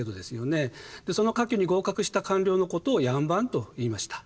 その科挙に合格した官僚のことを両班といいました。